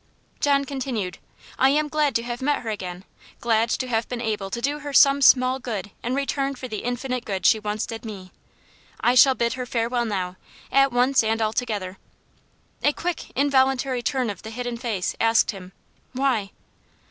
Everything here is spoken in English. John continued. "I am glad to have met her again glad to have been able to do her some small good in return for the infinite good she once did me. I shall bid her farewell now at once and altogether." A quick, involuntary turn of the hidden face asked him "Why?"